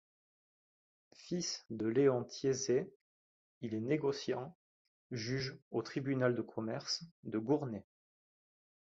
Fils de Léon Thiessé, il est négociant, juge au tribunal de commerce de Gournay.